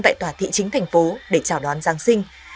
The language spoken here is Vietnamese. tại tòa thị chính thành phố để chào đón giáng sinh